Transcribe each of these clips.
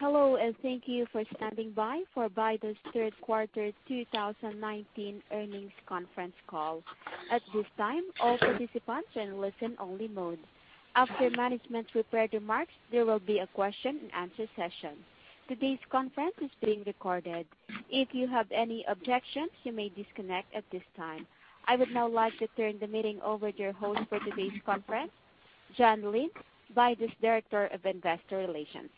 Hello, and thank you for standing by for Baidu's third quarter 2019 earnings conference call. At this time, all participants are in listen-only mode. After management's prepared remarks, there will be a question and answer session. Today's conference is being recorded. If you have any objections, you may disconnect at this time. I would now like to turn the meeting over to your host for today's conference, Juan Lin, Baidu's Director of Investor Relations.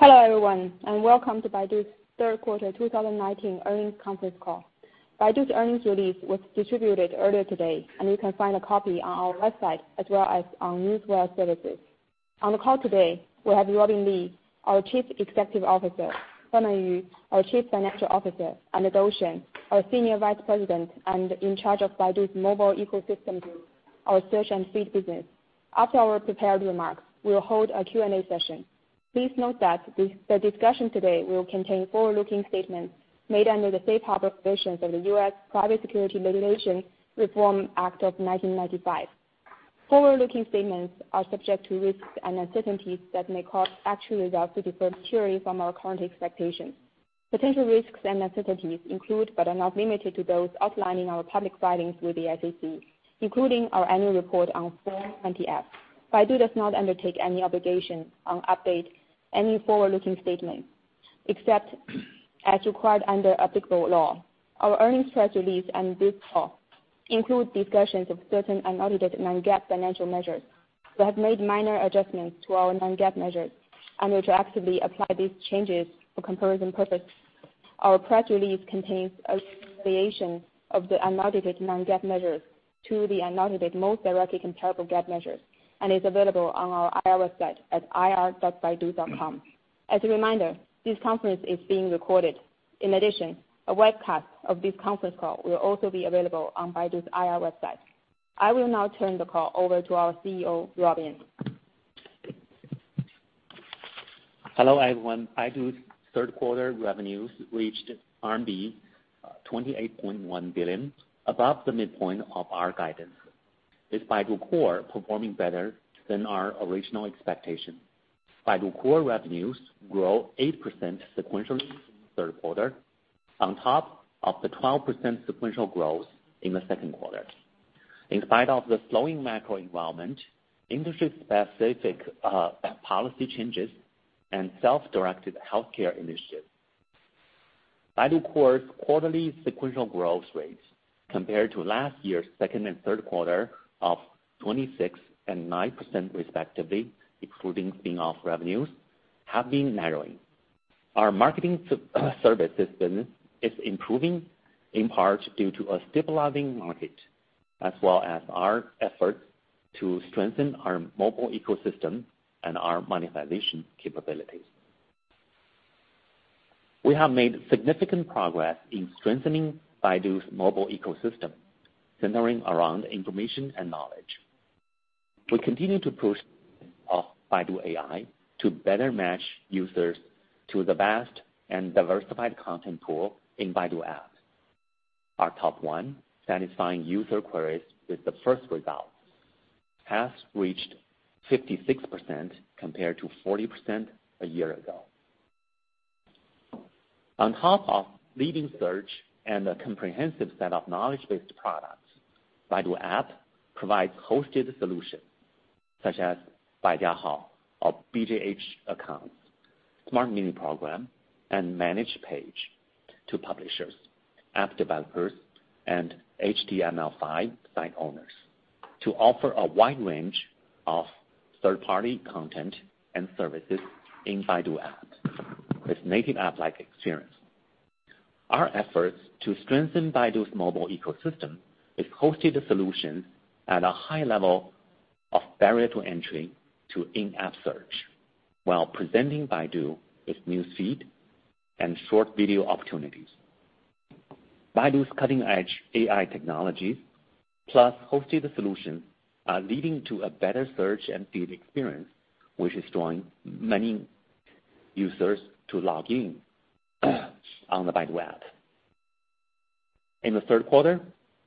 Hello, everyone, and welcome to Baidu's third quarter 2019 earnings conference call. Baidu's earnings release was distributed earlier today, and you can find a copy on our website as well as on news wire services. On the call today, we have Robin Li, our Chief Executive Officer; Herman Yu, our Chief Financial Officer; and Dou Shen, our Senior Vice President and in charge of Baidu's Mobile Ecosystem Group, our search and feed business. After our prepared remarks, we will hold a Q&A session. Please note that the discussion today will contain forward-looking statements made under the safe harbor provisions of the U.S. Private Securities Litigation Reform Act of 1995. Forward-looking statements are subject to risks and uncertainties that may cause actual results to differ materially from our current expectations. Potential risks and uncertainties include but are not limited to those outlined in our public filings with the SEC, including our annual report on Form 20-F. Baidu does not undertake any obligation to update any forward-looking statements, except as required under applicable law. Our earnings press release and this call include discussions of certain unaudited non-GAAP financial measures. We have made minor adjustments to our non-GAAP measures and retroactively apply these changes for comparison purpose. Our press release contains a reconciliation of the unaudited non-GAAP measures to the unaudited most directly comparable GAAP measures and is available on our IR website at ir.baidu.com. As a reminder, this conference is being recorded. In addition, a webcast of this conference call will also be available on Baidu's IR website. I will now turn the call over to our CEO, Robin. Hello, everyone. Baidu's third quarter revenues reached RMB 28.1 billion, above the midpoint of our guidance, with Baidu Core performing better than our original expectation. Baidu Core revenues grew 8% sequentially in the third quarter on top of the 12% sequential growth in the second quarter. In spite of the slowing macro environment, industry-specific policy changes, and self-directed healthcare initiatives, Baidu Core's quarterly sequential growth rates compared to last year's second and third quarter of 26% and 9% respectively, excluding spin-off revenues, have been narrowing. Our marketing services business is improving in part due to a stabilizing market, as well as our efforts to strengthen our mobile ecosystem and our monetization capabilities. We have made significant progress in strengthening Baidu's mobile ecosystem, centering around information and knowledge. We continue to push of Baidu AI to better match users to the vast and diversified content pool in Baidu apps. Our top one, satisfying user queries with the first result, has reached 56% compared to 40% a year ago. On top of leading search and a comprehensive set of knowledge-based products, Baidu App provides hosted solutions such as Baijiahao or BJH accounts, Smart Mini Program, and Managed Page to publishers, app developers, and HTML5 site owners to offer a wide range of third-party content and services in Baidu App with native app-like experience. Our efforts to strengthen Baidu's mobile ecosystem with hosted solutions at a high level of barrier to entry to in-app search while presenting Baidu with new feed and short video opportunities. Baidu's cutting-edge AI technologies plus hosted solutions are leading to a better search and feed experience, which is drawing many users to log in on the Baidu App. In the third quarter,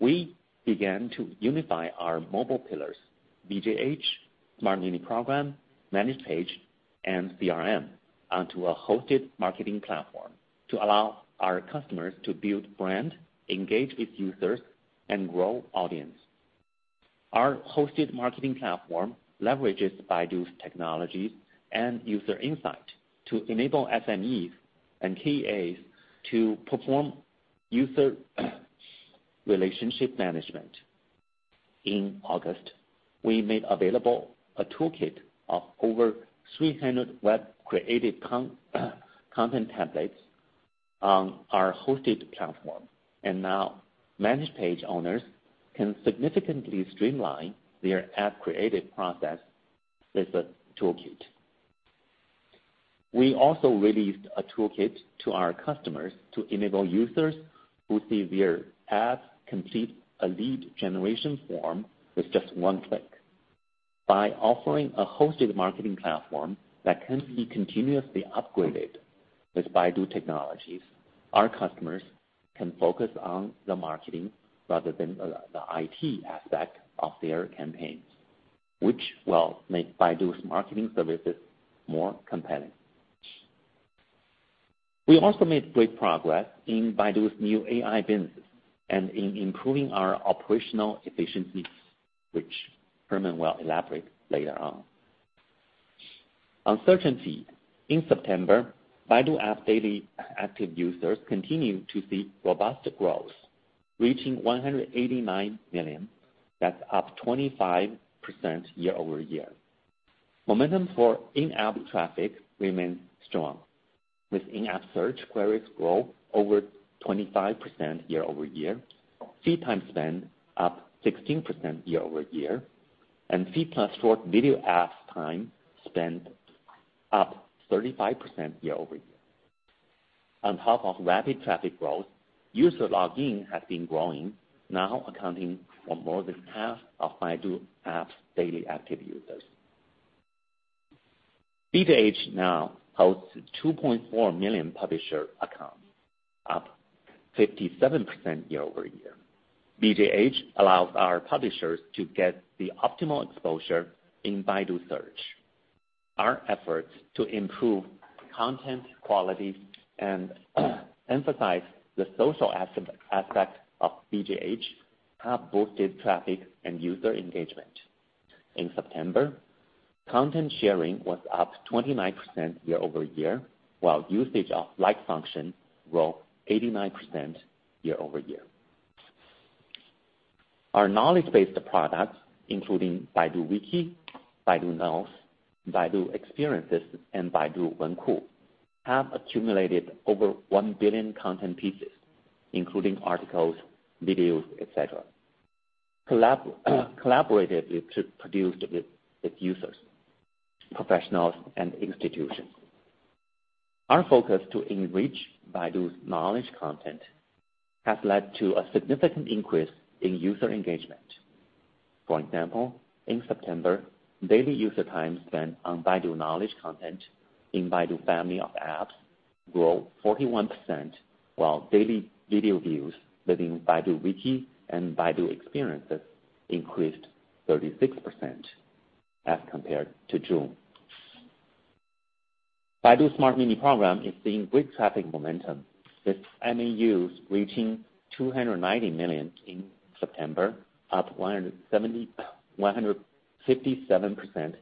we began to unify our mobile pillars, BJH, Smart Mini Program, Managed Page, and CRM, onto a hosted marketing platform to allow our customers to build brand, engage with users, and grow audience. Our hosted marketing platform leverages Baidu's technologies and user insight to enable SMEs and KAs to perform user relationship management. In August, we made available a toolkit of over 300 web-created content templates on our hosted platform, and now Managed Page owners can significantly streamline their ad creative process with the toolkit. We also released a toolkit to our customers to enable users who see their ads complete a lead generation form with just one click. By offering a hosted marketing platform that can be continuously upgraded with Baidu technologies, our customers can focus on the marketing rather than the IT aspect of their campaigns, which will make Baidu's marketing services more compelling. We also made great progress in Baidu's new AI business and in improving our operational efficiencies, which Herman will elaborate later on. Uncertainty. In September, Baidu App's daily active users continue to see robust growth, reaching 189 million. That's up 25% year-over-year. Momentum for in-app traffic remains strong, with in-app search queries growth over 25% year-over-year, feed time spend up 16% year-over-year, and feed plus short video apps time spent up 35% year-over-year. On top of rapid traffic growth, user login has been growing, now accounting for more than half of Baidu App's daily active users. BJH now hosts 2.4 million publisher accounts, up 57% year-over-year. BJH allows our publishers to get the optimal exposure in Baidu search. Our efforts to improve content quality and emphasize the social aspect of BJH have boosted traffic and user engagement. In September, content sharing was up 29% year-over-year, while usage of like function grew 89% year-over-year. Our knowledge-based products, including Baidu Wiki, Baidu Knows, Baidu Experience, and Baidu Wenku, have accumulated over 1 billion content pieces, including articles, videos, et cetera, collaborated with, produced with users, professionals, and institutions. Our focus to enrich Baidu's knowledge content has led to a significant increase in user engagement. For example, in September, daily user time spent on Baidu knowledge content in Baidu family of apps grew 41%, while daily video views within Baidu Wiki and Baidu Experience increased 36% as compared to June. Baidu Smart Mini Program is seeing great traffic momentum, with MAUs reaching 290 million in September, up 157%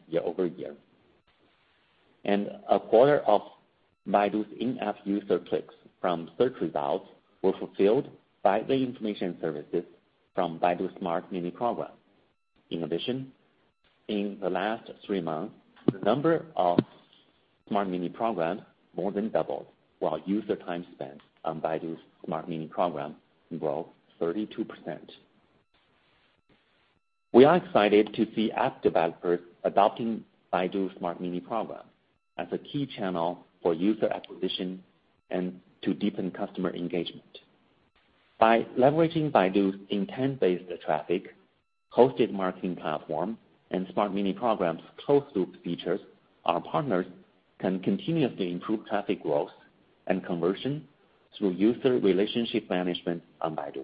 year-over-year. A quarter of Baidu's in-app user clicks from search results were fulfilled by the information services from Baidu Smart Mini Program. In addition, in the last three months, the number of Smart Mini Program more than doubled, while user time spent on Baidu Smart Mini Program grew 32%. We are excited to see app developers adopting Baidu Smart Mini Program as a key channel for user acquisition and to deepen customer engagement. By leveraging Baidu's intent-based traffic, hosted marketing platform, and Smart Mini Program's close loop features, our partners can continuously improve traffic growth and conversion through user relationship management on Baidu.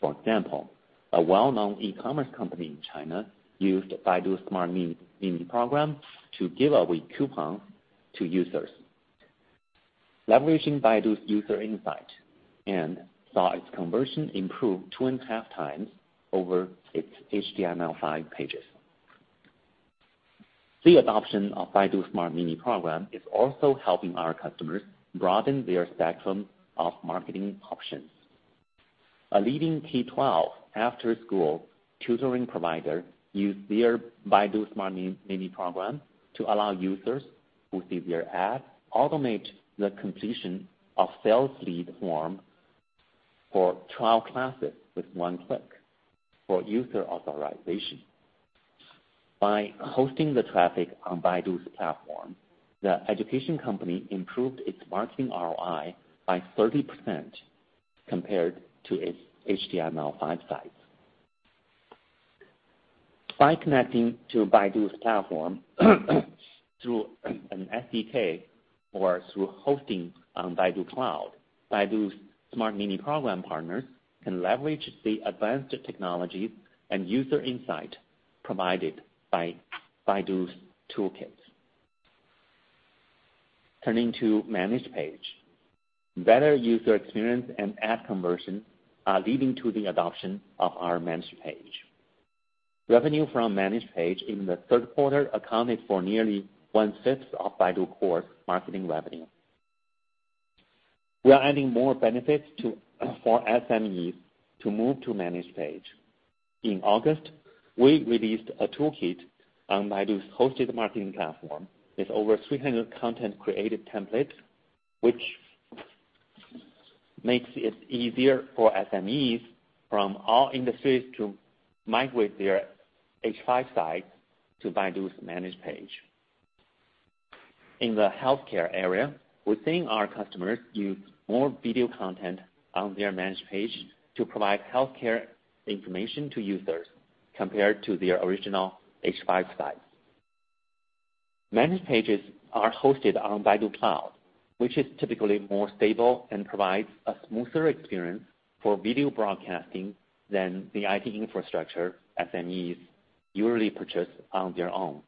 For example, a well-known e-commerce company in China used Baidu Smart Mini Program to give away coupons to users. Leveraging Baidu's user insight and saw its conversion improve 2.5x over its HTML5 pages. The adoption of Baidu Smart Mini Program is also helping our customers broaden their spectrum of marketing options. A leading K-12 after-school tutoring provider used their Baidu Smart Mini Program to allow users who see their ad automate the completion of sales lead form for trial classes with one click for user authorization. By hosting the traffic on Baidu's platform, the education company improved its marketing ROI by 30% compared to its HTML5 sites. By connecting to Baidu's platform through an SDK or through hosting on Baidu Cloud, Baidu Smart Mini Program partners can leverage the advanced technologies and user insight provided by Baidu's toolkit. Turning to Managed Page. Better user experience and ad conversion are leading to the adoption of our Managed Page. Revenue from Managed Page in the third quarter accounted for nearly one-fifth of Baidu Core marketing revenue. We are adding more benefits for SMEs to move to Managed Page. In August, we released a toolkit on Baidu's hosted marketing platform with over 300 content created templates, which makes it easier for SMEs from all industries to migrate their H5 sites to Baidu's Managed Page. In the healthcare area, we're seeing our customers use more video content on their Managed Page to provide healthcare information to users. Compared to their original H5 site. Managed Pages are hosted on Baidu Cloud, which is typically more stable and provides a smoother experience for video broadcasting than the IT infrastructure SMEs usually purchase on their own.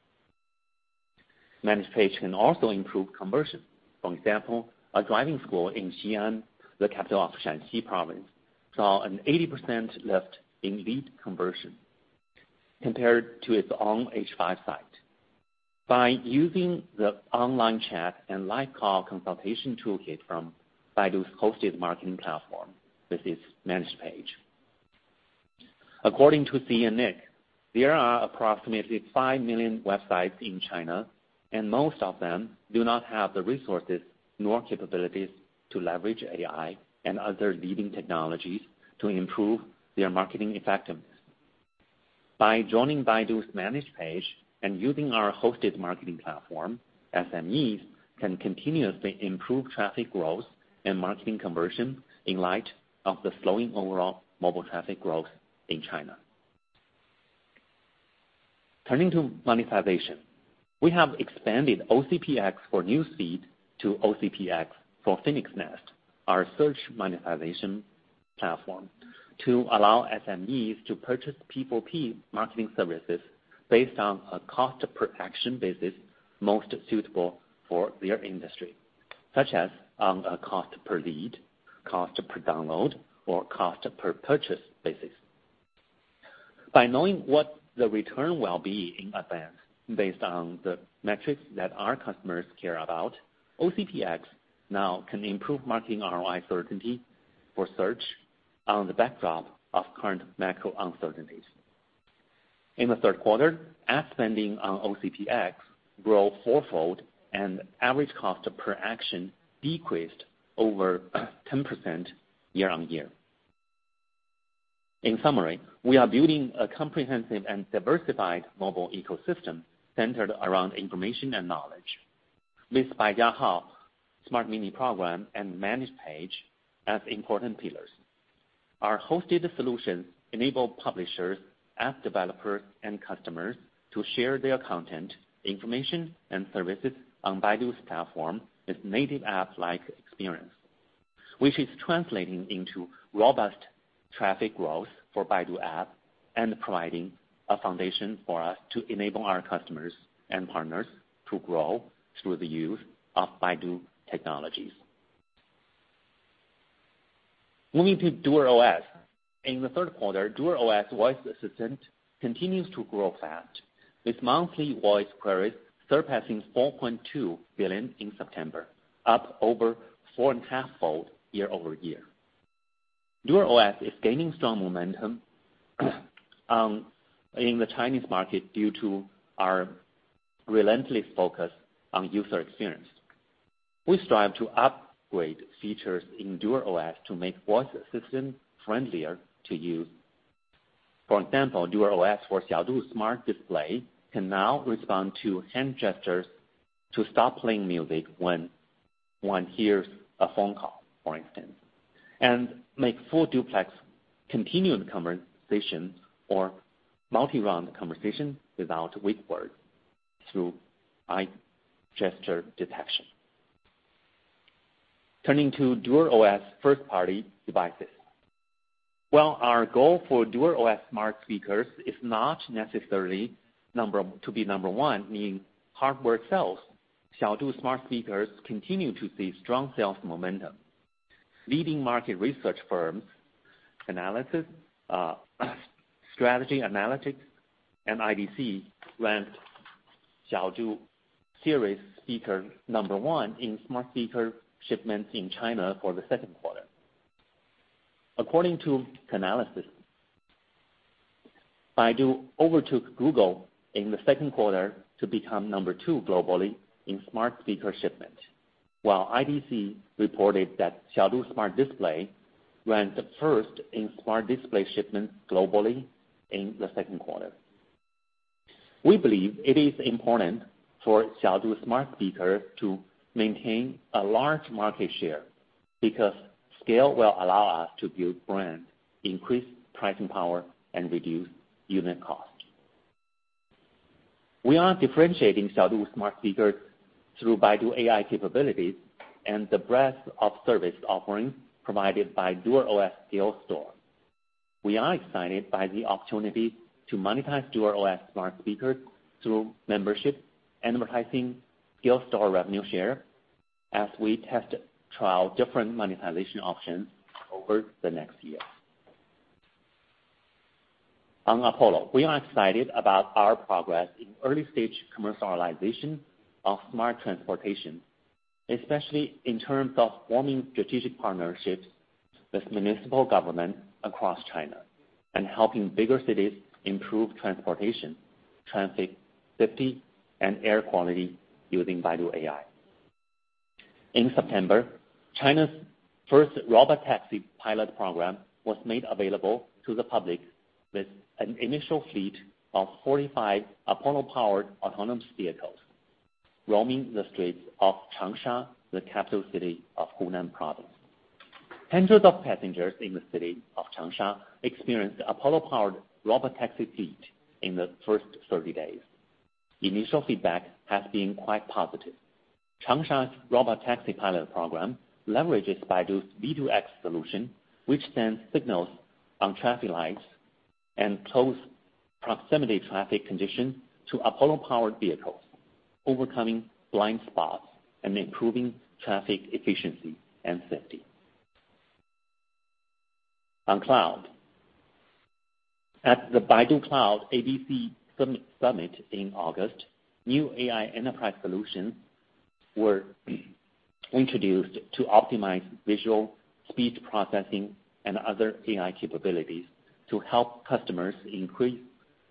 Managed Page can also improve conversion. For example, a driving school in Xi'an, the capital of Shaanxi Province, saw an 80% lift in lead conversion compared to its own H5 site. By using the online chat and live call consultation toolkit from Baidu's hosted marketing platform, this is Managed Page. According to CNNIC, there are approximately five million websites in China, most of them do not have the resources nor capabilities to leverage AI and other leading technologies to improve their marketing effectiveness. By joining Baidu's Managed Page and using our hosted marketing platform, SMEs can continuously improve traffic growth and marketing conversion in light of the slowing overall mobile traffic growth in China. Turning to monetization. We have expanded OCPX for News Feed to OCPX for Phoenix Nest, our search monetization platform, to allow SMEs to purchase P4P marketing services based on a cost-per-action basis most suitable for their industry, such as on a cost-per-lead, cost-per-download, or cost-per-purchase basis. By knowing what the return will be in advance based on the metrics that our customers care about, OCPX now can improve marketing ROI certainty for search on the backdrop of current macro uncertainties. In the third quarter, ad spending on OCPX grew fourfold and average cost per action decreased over 10% year-on-year. In summary, we are building a comprehensive and diversified mobile ecosystem centered around information and knowledge with Baijiahao, Smart Mini Program, and Managed Page as important pillars. Our hosted solutions enable publishers, app developers, and customers to share their content, information, and services on Baidu's platform with native app-like experience, which is translating into robust traffic growth for Baidu App and providing a foundation for us to enable our customers and partners to grow through the use of Baidu technologies. Moving to DuerOS. In the third quarter, DuerOS voice assistant continues to grow fast, with monthly voice queries surpassing 4.2 billion in September, up over 4.5-fold year-over-year. DuerOS is gaining strong momentum in the Chinese market due to our relentless focus on user experience. We strive to upgrade features in DuerOS to make voice assistant friendlier to use. For example, DuerOS for Xiaodu's smart display can now respond to hand gestures to stop playing music when one hears a phone call, for instance, and make full duplex continued conversation or multi-round conversation without wake word through AI gesture detection. Turning to DuerOS first-party devices. While our goal for DuerOS smart speakers is not necessarily to be number one in hardware sales, Xiaodu's smart speakers continue to see strong sales momentum. Leading market research firms, Strategy Analytics and IDC ranked Xiaodu series speaker number one in smart speaker shipments in China for the second quarter. According to Canalys, Baidu overtook Google in the second quarter to become number two globally in smart speaker shipment, while IDC reported that Xiaodu smart display ranked first in smart display shipments globally in the second quarter. We believe it is important for Xiaodu smart speaker to maintain a large market share, because scale will allow us to build brand, increase pricing power, and reduce unit cost. We are differentiating Xiaodu smart speakers through Baidu AI capabilities and the breadth of service offerings provided by DuerOS skills store. We are excited by the opportunity to monetize DuerOS smart speakers through membership, advertising, skill store revenue share as we test trial different monetization options over the next year. On Apollo, we are excited about our progress in early-stage commercialization of smart transportation, especially in terms of forming strategic partnerships with municipal government across China and helping bigger cities improve transportation, transit, safety, and air quality using Baidu AI. In September, China's first robotaxi pilot program was made available to the public with an initial fleet of 45 Apollo-powered autonomous vehicles roaming the streets of Changsha, the capital city of Hunan Province. Hundreds of passengers in the city of Changsha experienced the Apollo-powered robotaxi fleet in the first 30 days. Initial feedback has been quite positive. Changsha's robotaxi pilot program leverages Baidu's V2X solution, which sends signals on traffic lights and close proximity traffic conditions to Apollo-powered vehicles, overcoming blind spots and improving traffic efficiency and safety. On Cloud. At the Baidu Cloud ABC Summit in August, new AI enterprise solutions were introduced to optimize visual, speech processing, and other AI capabilities to help customers increase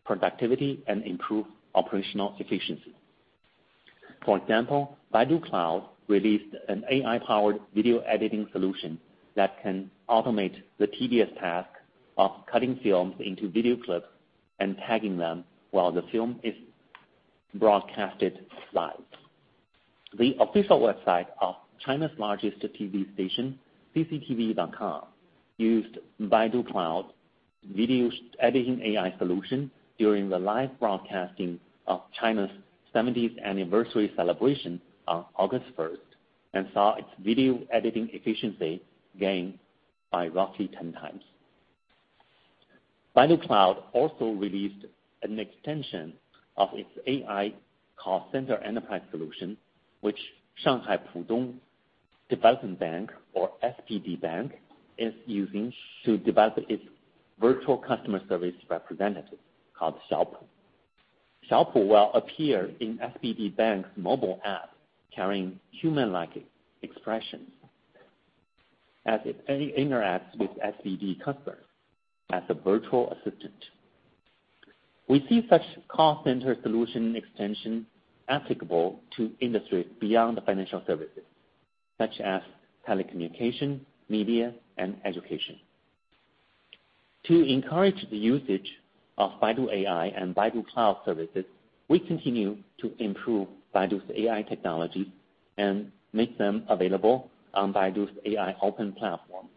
productivity and improve operational efficiency. For example, Baidu Cloud released an AI-powered video editing solution that can automate the tedious task of cutting films into video clips and tagging them while the film is broadcasted live. The official website of China's largest TV station, cctv.com, used Baidu Cloud video editing AI solution during the live broadcasting of China's 70th anniversary celebration on August 1st, and saw its video editing efficiency gain by roughly 10x. Baidu Cloud also released an extension of its AI call center enterprise solution, which Shanghai Pudong Development Bank, or SPD Bank, is using to develop its virtual customer service representative called Xiaopu. Xiaopu will appear in SPD Bank's mobile app carrying human-like expressions as it interacts with SPD customers as a virtual assistant. We see such call center solution extension applicable to industries beyond the financial services, such as telecommunication, media, and education. To encourage the usage of Baidu AI and Baidu Cloud services, we continue to improve Baidu's AI technology and make them available on Baidu's AI open platform.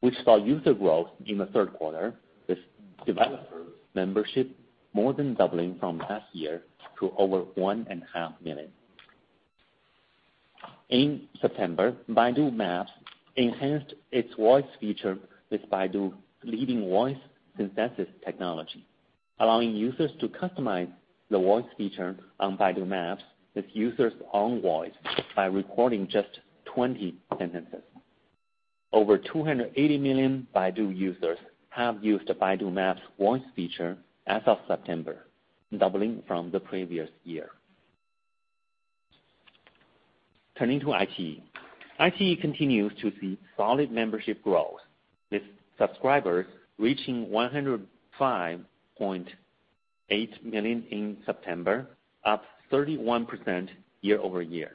We saw user growth in the third quarter, with developer membership more than doubling from last year to over 1.5 million. In September, Baidu Maps enhanced its voice feature with Baidu leading voice synthesis technology, allowing users to customize the voice feature on Baidu Maps with users' own voice by recording just 20 sentences. Over 280 million Baidu users have used the Baidu Maps voice feature as of September, doubling from the previous year. Turning to iQIYI. iQIYI continues to see solid membership growth, with subscribers reaching 105.8 million in September, up 31% year-over-year.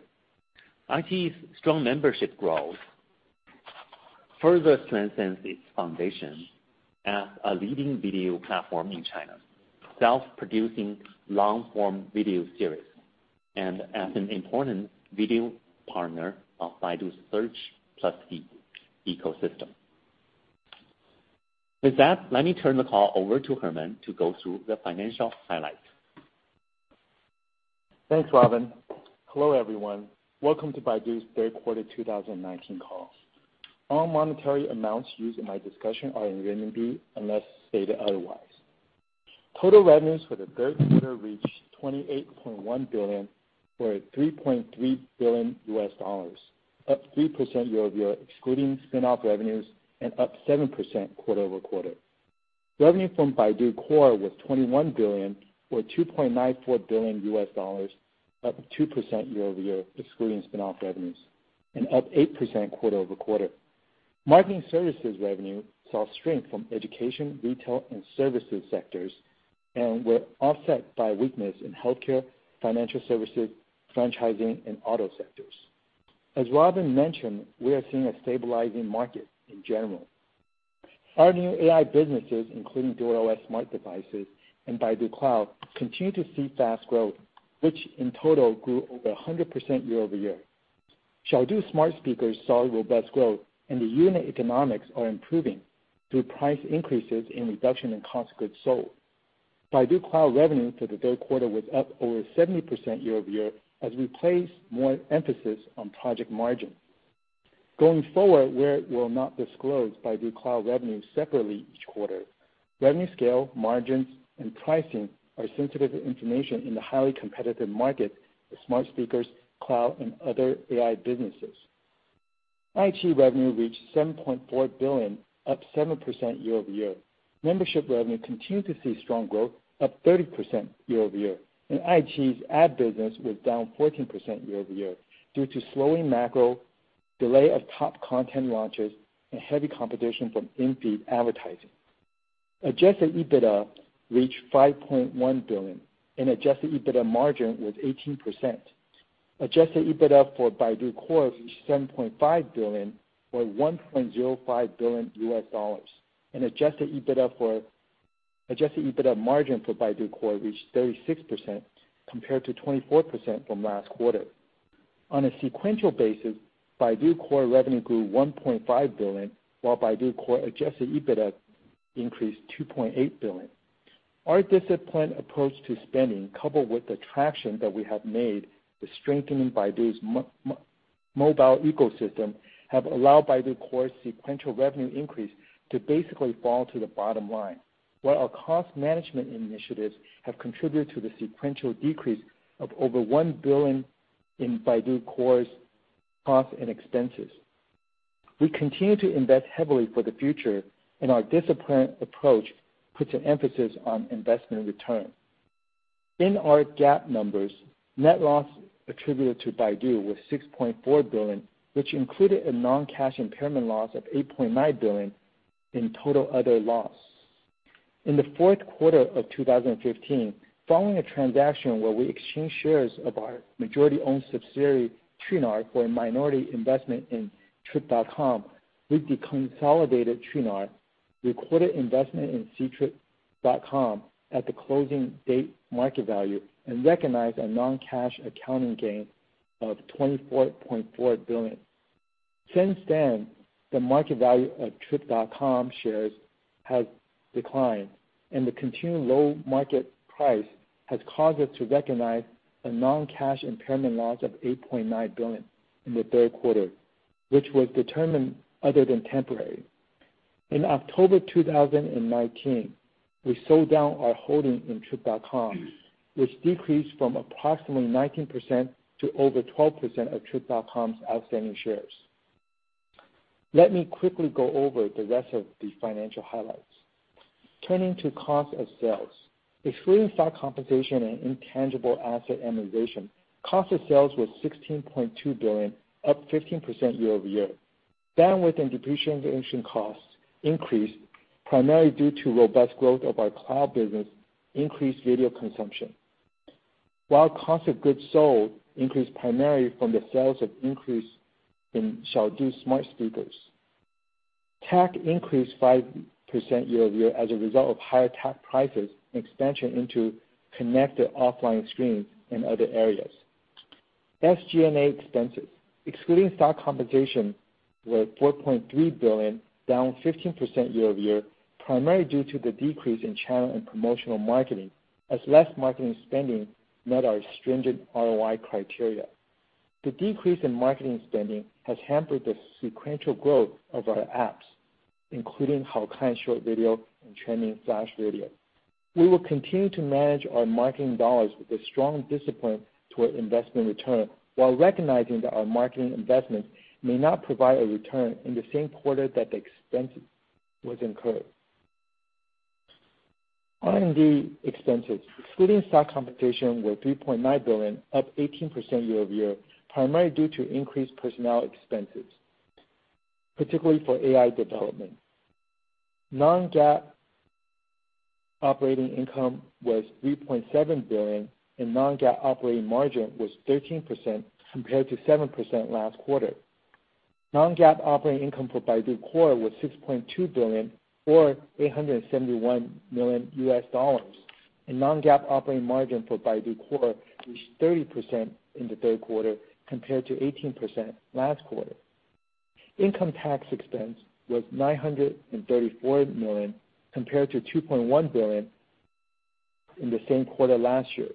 iQIYI's strong membership growth further strengthens its foundation as a leading video platform in China, self-producing long-form video series and as an important video partner of Baidu's search plus ecosystem. With that, let me turn the call over to Herman to go through the financial highlights. Thanks, Robin. Hello, everyone. Welcome to Baidu's third quarter 2019 call. All monetary amounts used in my discussion are in RMB unless stated otherwise. Total revenues for the third quarter reached 28.1 billion, or $3.3 billion, up 3% year-over-year, excluding spin-off revenues, and up 7% quarter-over-quarter. Revenue from Baidu Core was 21 billion, or $2.94 billion, up 2% year-over-year, excluding spin-off revenues, and up 8% quarter-over-quarter. Marketing services revenue saw strength from education, retail, and services sectors, and were offset by weakness in healthcare, financial services, franchising, and auto sectors. As Robin mentioned, we are seeing a stabilizing market in general. Our new AI businesses, including DuerOS smart devices and Baidu Cloud, continue to see fast growth, which in total grew over 100% year-over-year. Xiaodu smart speakers saw robust growth, and the unit economics are improving through price increases and reduction in cost of goods sold. Baidu Cloud revenue for the third quarter was up over 70% year-over-year as we place more emphasis on project margin. Going forward, we will not disclose Baidu Cloud revenue separately each quarter. Revenue scale, margins, and pricing are sensitive information in the highly competitive market for smart speakers, cloud, and other AI businesses. iQIYI revenue reached 7.4 billion, up 7% year-over-year. Membership revenue continued to see strong growth, up 30% year-over-year, and iQIYI's ad business was down 14% year-over-year due to slowing macro, delay of top content launches, and heavy competition from in-feed advertising. Adjusted EBITDA reached 5.1 billion, and adjusted EBITDA margin was 18%. Adjusted EBITDA for Baidu Core was 7.5 billion, or $1.05 billion. Adjusted EBITDA margin for Baidu Core reached 36%, compared to 24% from last quarter. On a sequential basis, Baidu Core revenue grew 1.5 billion, while Baidu Core adjusted EBITDA increased 2.8 billion. Our disciplined approach to spending, coupled with the traction that we have made to strengthening Baidu's mobile ecosystem, have allowed Baidu Core sequential revenue increase to basically fall to the bottom line, while our cost management initiatives have contributed to the sequential decrease of over 1 billion in Baidu Core's costs and expenses. We continue to invest heavily for the future, and our disciplined approach puts an emphasis on investment return. In our GAAP numbers, net loss attributed to Baidu was 6.4 billion, which included a non-cash impairment loss of 8.9 billion in total other loss. In the fourth quarter of 2015, following a transaction where we exchanged shares of our majority-owned subsidiary, Qunar, for a minority investment in Trip.com, we deconsolidated Qunar, recorded investment in Ctrip.com at the closing date market value, and recognized a non-cash accounting gain of 24.4 billion. Since then, the market value of Trip.com shares has declined, and the continued low market price has caused us to recognize a non-cash impairment loss of 8.9 billion in the third quarter, which was determined other than temporary. In October 2019, we sold down our holding in Trip.com, which decreased from approximately 19% to over 12% of Trip.com's outstanding shares. Let me quickly go over the rest of the financial highlights. Turning to cost of sales. Excluding stock compensation and intangible asset amortization, cost of sales was 16.2 billion, up 15% year-over-year. Bandwidth and depreciation costs increased primarily due to robust growth of our cloud business increased video consumption. Cost of goods sold increased primarily from the sales of increase in Xiaodu smart speakers. TAC increased 5% year-over-year as a result of higher TAC prices and expansion into connected offline screens and other areas. SG&A expenses, excluding stock compensation, were 4.3 billion, down 15% year-over-year, primarily due to the decrease in channel and promotional marketing as less marketing spending met our stringent ROI criteria. The decrease in marketing spending has hampered the sequential growth of our apps, including Haokan short video and Quanmin flash video. We will continue to manage our marketing dollars with a strong discipline toward investment return, while recognizing that our marketing investments may not provide a return in the same quarter that the expense was incurred. R&D expenses, excluding stock compensation, were 3.9 billion, up 18% year-over-year, primarily due to increased personnel expenses, particularly for AI development. Non-GAAP operating income was 3.7 billion, and non-GAAP operating margin was 13% compared to 7% last quarter. Non-GAAP operating income for Baidu Core was 6.2 billion or $871 million. Non-GAAP operating margin for Baidu Core reached 30% in the third quarter compared to 18% last quarter. Income tax expense was 934 million compared to 2.1 billion in the same quarter last year.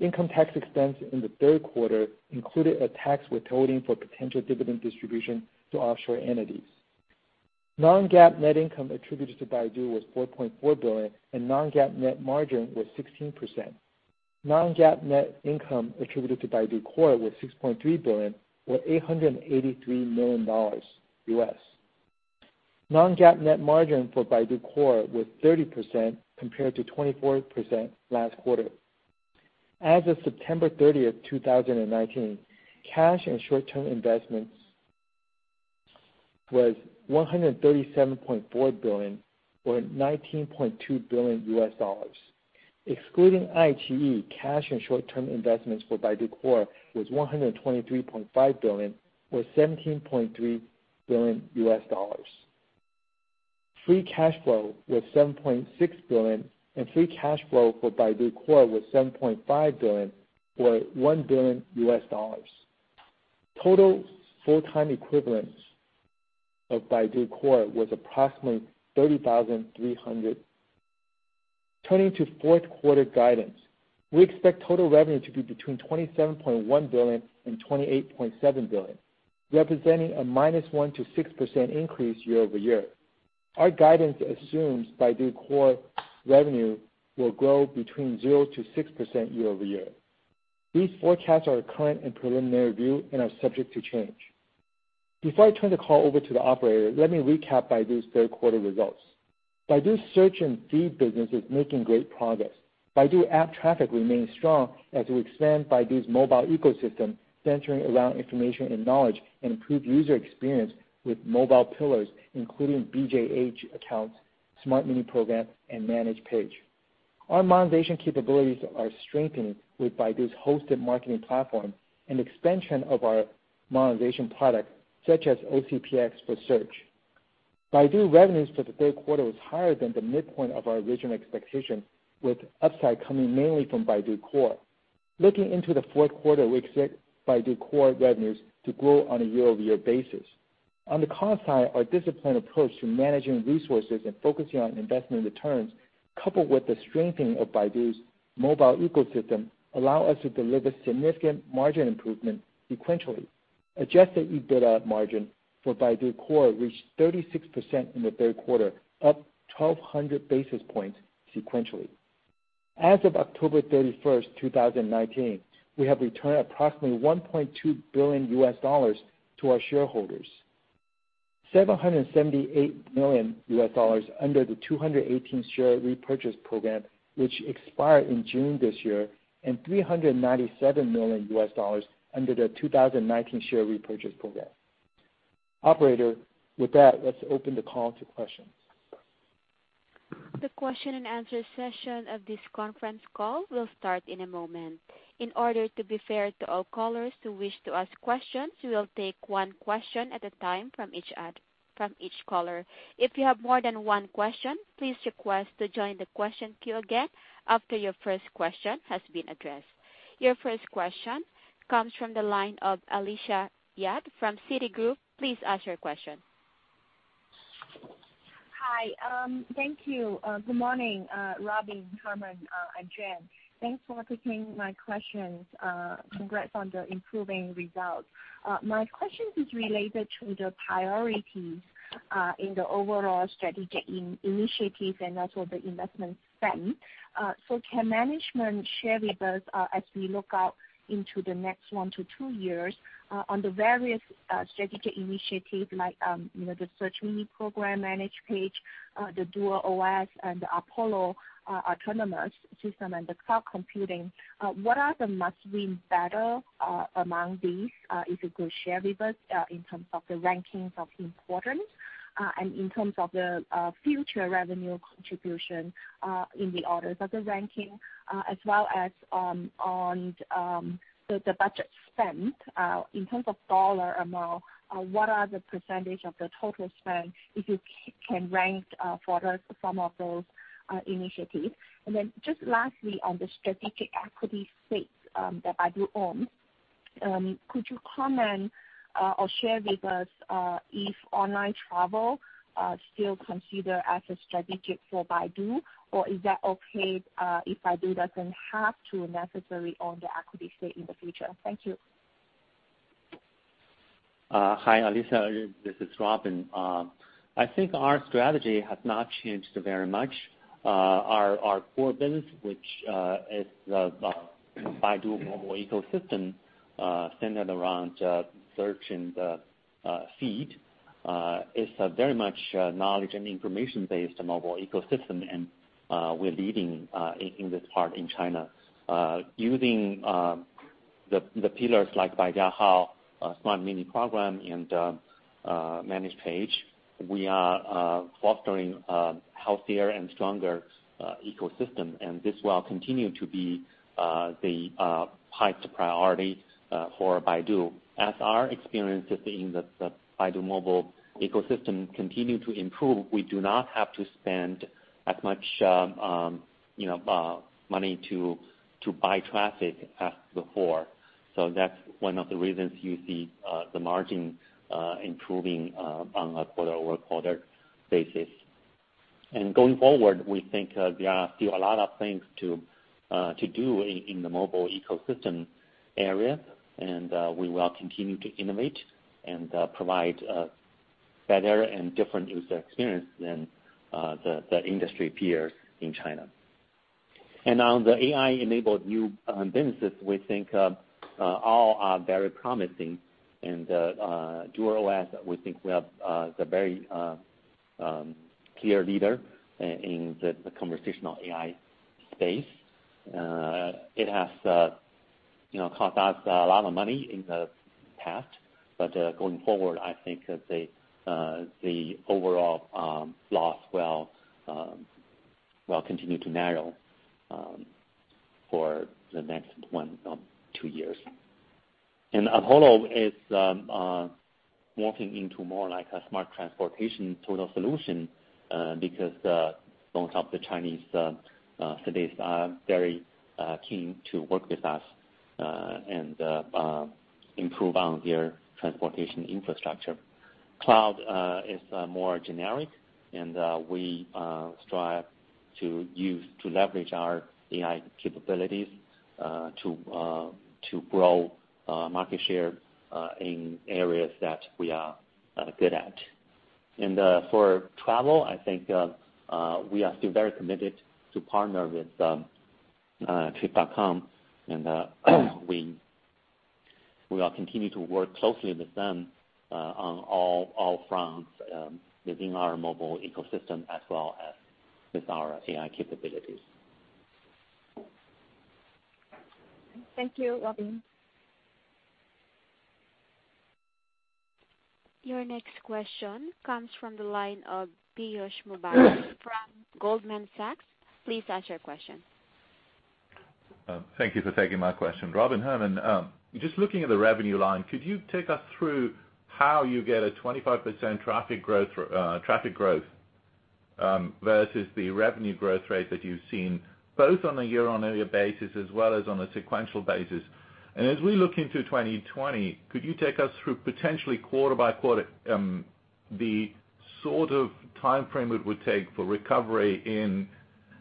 Income tax expense in the third quarter included a tax withholding for potential dividend distribution to offshore entities. Non-GAAP net income attributed to Baidu was 4.4 billion and non-GAAP net margin was 16%. Non-GAAP net income attributed to Baidu Core was 6.3 billion or $883 million. Non-GAAP net margin for Baidu Core was 30% compared to 24% last quarter. As of September 30th, 2019, cash and short-term investments was 137.4 billion or $19.2 billion. Excluding iQIYI, cash and short-term investments for Baidu Core was 123.5 billion or $17.3 billion. Free cash flow was 7.6 billion, and free cash flow for Baidu Core was 7.5 billion or $1 billion. Total full-time equivalents of Baidu Core was approximately 30,300. Turning to fourth quarter guidance. We expect total revenue to be between 27.1 billion and 28.7 billion, representing a -1% to 6% increase year-over-year. Our guidance assumes Baidu Core revenue will grow between 0% to 6% year-over-year. These forecasts are our current and preliminary view and are subject to change. Before I turn the call over to the operator, let me recap Baidu's third quarter results. Baidu search and feed business is making great progress. Baidu App traffic remains strong as we expand Baidu's mobile ecosystem centering around information and knowledge and improve user experience with mobile pillars, including BJH accounts, Smart Mini Program, and Managed Page. Our monetization capabilities are strengthening with Baidu's hosted marketing platform and expansion of our monetization product, such as OCPX for Search. Baidu revenues for the third quarter was higher than the midpoint of our original expectation, with upside coming mainly from Baidu Core. Looking into the fourth quarter, we expect Baidu Core revenues to grow on a year-over-year basis. On the cost side, our disciplined approach to managing resources and focusing on investment returns, coupled with the strengthening of Baidu's mobile ecosystem, allow us to deliver significant margin improvement sequentially. Adjusted EBITDA margin for Baidu Core reached 36% in the third quarter, up 1,200 basis points sequentially. As of October 31st, 2019, we have returned approximately $1.2 billion to our shareholders. $778 million under the 2018 share repurchase program, which expired in June this year, and $397 million under the 2019 share repurchase program. Operator, with that, let's open the call to questions. The question and answer session of this conference call will start in a moment. In order to be fair to all callers who wish to ask questions, we will take one question at a time from each caller. If you have more than one question, please request to join the question queue again after your first question has been addressed. Your first question comes from the line of Alicia Yap from Citigroup. Please ask your question. Hi. Thank you. Good morning, Robin, Herman, and Shen. Thanks for taking my questions. Congrats on the improving results. My questions is related to the priorities in the overall strategic initiatives and also the investment spend. Can management share with us as we look out into the next one to two years on the various strategic initiatives like the Search Mini Program, Managed Page, the DuerOS, and the Apollo autonomous system, and the cloud computing? What are the must-win battles among these, if you could share with us in terms of the rankings of importance and in terms of the future revenue contribution in the orders of the ranking as well as on the budget spent. In terms of dollar amount, what are the percentage of the total spend, if you can rank for us some of those initiatives? Just lastly, on the strategic equity stakes that Baidu owns, could you comment or share with us if online travel still considered as a strategic for Baidu or is that okay if Baidu doesn't have to necessarily own the equity stake in the future? Thank you. Hi, Alicia. This is Robin. I think our strategy has not changed very much. Our core business, which is the Baidu mobile ecosystem centered around Search and Feed is very much a knowledge and information-based mobile ecosystem, and we're leading in this part in China. Using the pillars like Baijiahao, Smart Mini Program, and Managed Page, we are fostering a healthier and stronger ecosystem, and this will continue to be the highest priority for Baidu. As our experiences in the Baidu mobile ecosystem continue to improve, we do not have to spend as much money to buy traffic as before. That's one of the reasons you see the margin improving on a quarter-over-quarter basis. Going forward, we think there are still a lot of things to do in the mobile ecosystem area, and we will continue to innovate and provide a better and different user experience than the industry peers in China. On the AI-enabled new businesses, we think all are very promising. DuerOS, we think we have the very clear leader in the conversational AI space. It has cost us a lot of money in the past, but going forward, I think that the overall loss will continue to narrow for the next one to two years. Apollo is morphing into more like a smart transportation total solution, because a lot of the Chinese cities are very keen to work with us and improve on their transportation infrastructure. Cloud is more generic, and we strive to leverage our AI capabilities to grow market share in areas that we are good at. For travel, I think we are still very committed to partner with Trip.com, and we will continue to work closely with them on all fronts within our mobile ecosystem as well as with our AI capabilities. Thank you, Robin. Your next question comes from the line of Piyush Mubayi from Goldman Sachs. Please ask your question. Thank you for taking my question. Robin, Herman, just looking at the revenue line, could you take us through how you get a 25% traffic growth versus the revenue growth rate that you've seen, both on a year-over-year basis as well as on a sequential basis? As we look into 2020, could you take us through potentially quarter by quarter, the sort of timeframe it would take for recovery in the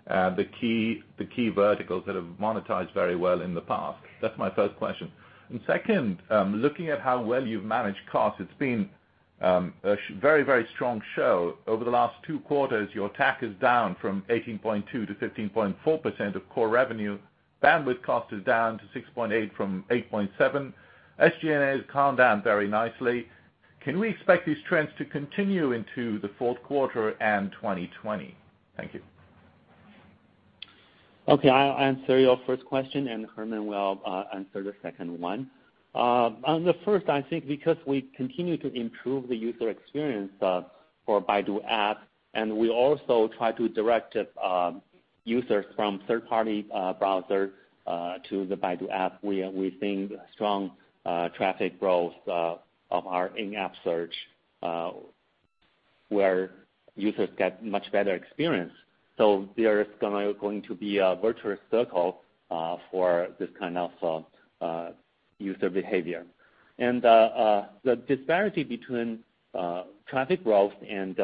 key verticals that have monetized very well in the past? That's my first question. Second, looking at how well you've managed costs, it's been a very strong show. Over the last two quarters, your TAC is down from 18.2% to 15.4% of core revenue. Bandwidth cost is down to 6.8% from 8.7%. SG&A has calmed down very nicely. Can we expect these trends to continue into the fourth quarter and 2020? Thank you. Okay. I'll answer your first question, and Herman will answer the second one. On the first, I think because we continue to improve the user experience for Baidu App, and we also try to direct users from third-party browser to the Baidu App, we are seeing strong traffic growth of our in-app search, where users get much better experience. There is going to be a virtuous circle for this kind of user behavior. The disparity between traffic growth and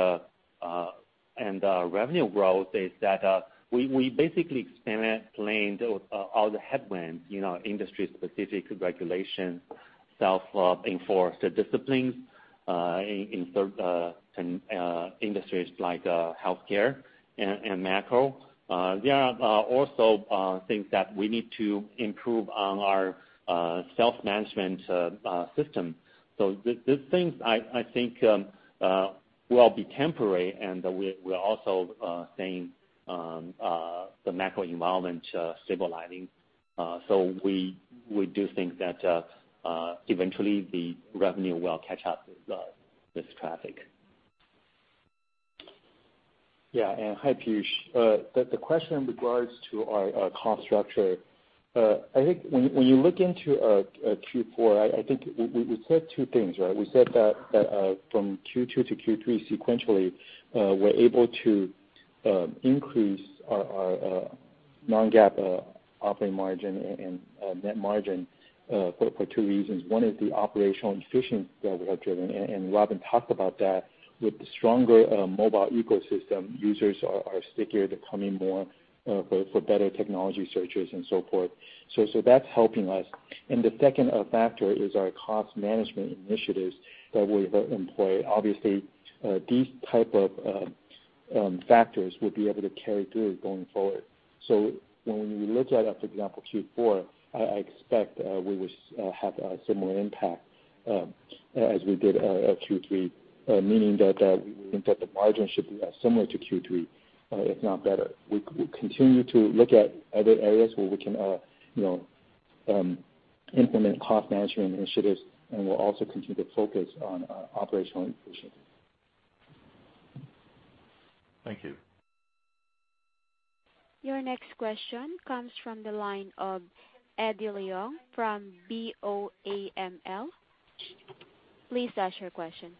revenue growth is that we basically explained all the headwinds, industry-specific regulation, self-enforced disciplines in certain industries like healthcare and macro. There are also things that we need to improve on our self-management system. These things, I think, will be temporary, and we are also seeing the macro environment stabilizing. We do think that eventually the revenue will catch up with this traffic. Yeah. Hi, Piyush. The question in regards to our cost structure, I think when you look into Q4, I think we said two things, right? We said that from Q2 to Q3 sequentially, we're able to increase our non-GAAP operating margin and net margin for two reasons. One is the operational efficiency that we have driven, and Robin talked about that. With the stronger mobile ecosystem, users are stickier. They're coming more for better technology searches and so forth. That's helping us. The second factor is our cost management initiatives that we've employed. Obviously, these type of factors will be able to carry through going forward. When we look at, for example, Q4, I expect we will have a similar impact as we did at Q3, meaning that we think that the margin should be similar to Q3, if not better. We'll continue to look at other areas where we can implement cost management initiatives, and we'll also continue to focus on operational efficiency. Thank you. Your next question comes from the line of Eddie Leung from BofAML. Please ask your question.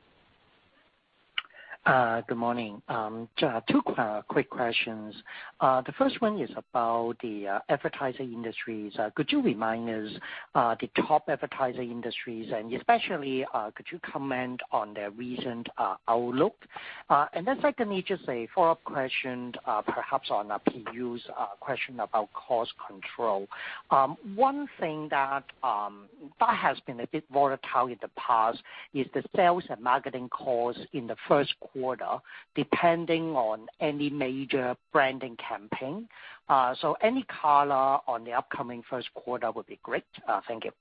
Good morning. Two quick questions. The first one is about the advertising industries. Could you remind us the top advertising industries, especially could you comment on their recent outlook? Secondly, just a follow-up question perhaps on Piyush's question about cost control. One thing that has been a bit volatile in the past is the sales and marketing cost in the first quarter, depending on any major branding campaign. Any color on the upcoming first quarter would be great. Thank you.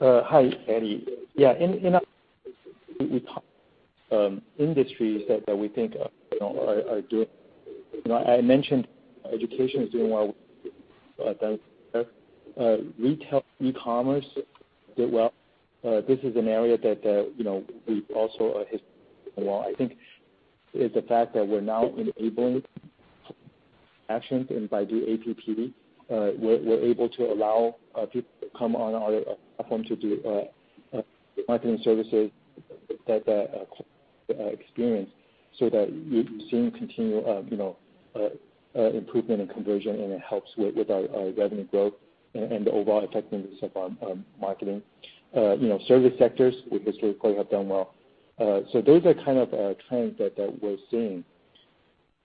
Hi, Eddie. Yeah, in industries that we think are doing I mentioned education is doing well with. Retail, e-commerce did well. This is an area that we also historically have done well. I think it's the fact that we're now enabling actions in Baidu App, we're able to allow people to come on our platform to do marketing services that experience so that we've seen continued improvement in conversion, and it helps with our revenue growth and the overall effectiveness of our marketing. Service sectors we historically have done well. Those are kind of trends that we're seeing.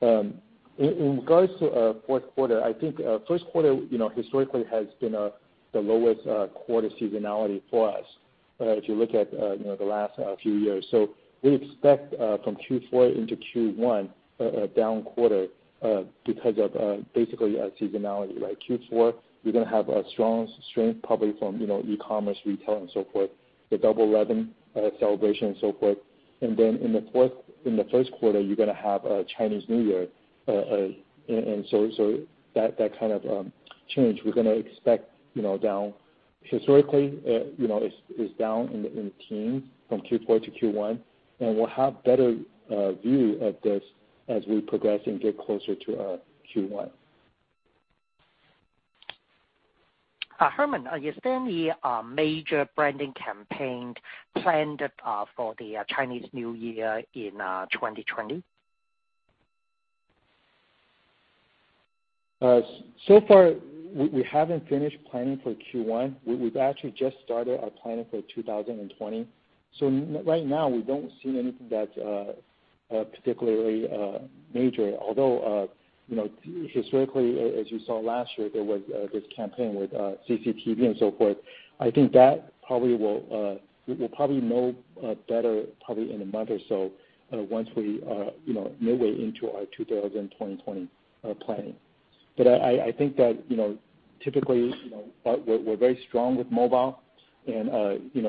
In regards to fourth quarter, I think first quarter historically has been the lowest quarter seasonality for us, if you look at the last few years. We expect from Q4 into Q1 a down quarter because of basically seasonality. Q4, we're going to have a strong strength probably from e-commerce, retail and so forth, the Double 11 celebration and so forth. In the first quarter, you're going to have Chinese New Year. That kind of change, we're going to expect down. Historically, it's down in the teens from Q4 to Q1, and we'll have better view of this as we progress and get closer to Q1. Herman, is there any major branding campaign planned for the Chinese New Year in 2020? Far, we haven't finished planning for Q1. We've actually just started our planning for 2020. Right now, we don't see anything that's particularly major. Although, historically, as you saw last year, there was this campaign with CCTV and so forth. I think we'll probably know better probably in a month or so once we are midway into our 2020 planning. I think that typically, we're very strong with mobile and